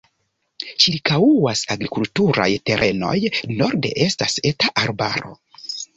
Ĉirkaŭas agrikulturaj terenoj, norde estas eta arbaro.